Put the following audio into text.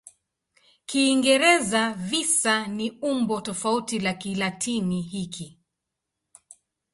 Kiingereza "visa" ni umbo tofauti la Kilatini hiki.